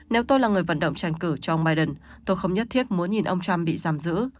nếu tôi là người vận động tranh cử cho ông biden tôi không nhất thiết muốn nhìn ông trump bị giam giữ